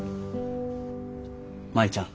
舞ちゃん。